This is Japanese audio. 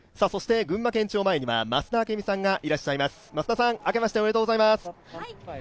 群馬県庁前には増田明美さんがいらっしゃいます。